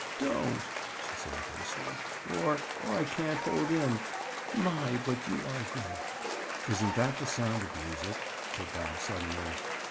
"Don't!" she said hoarsely. "Or—or I can't hold in. My! but you are good." "Isn't that the sound of music?" said Bob suddenly.